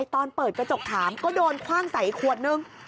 ไอตอนปีกระจกครามก็โดนคว่างใส่อีกขวดนึง